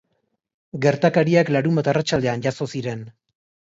Gertakariak larunbat arratsaldean jazo ziren.